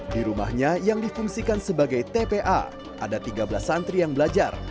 di rumahnya yang difungsikan sebagai tpa ada tiga belas santri yang belajar